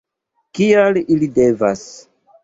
Kial ili devas?